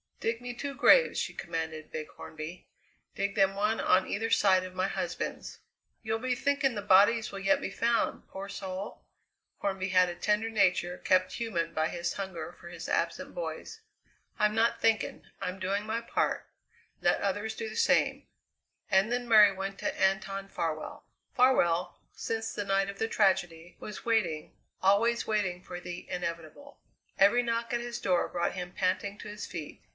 "Dig me two graves," she commanded Big Hornby; "dig them one on either side of my husband's." "You'll be thinking the bodies will yet be found, poor soul?" Hornby had a tender nature kept human by his hunger for his absent boys. "I'm not thinking. I'm doing my part; let others do the same." And then Mary went to Anton Farwell. Farwell, since the night of the tragedy, was waiting, always waiting for the inevitable. Every knock at his door brought him panting to his feet.